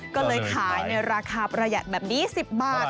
ก็เลยขายในราคาประหยัดแบบนี้๑๐บาท